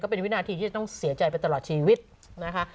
เป็นวินาทีที่จะต้องเสียใจไปตลอดชีวิตนะคะ